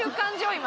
今。